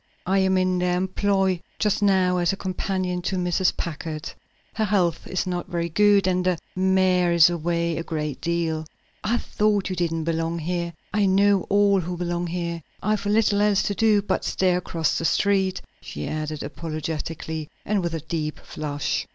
I am in their employ just now as a companion to Mrs. Packard. Her health is not very good, and the mayor is away a great deal." "I thought you didn't belong there. I know all who belong there. I've little else to do but stare across the street," she added apologetically and with a deep flush.